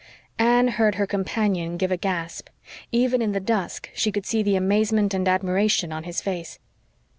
Anne heard her companion give a gasp. Even in the dusk she could see the amazement and admiration on his face.